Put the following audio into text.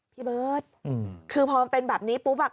พี่เบิร์ตคือพอมันเป็นแบบนี้ปุ๊บอ่ะ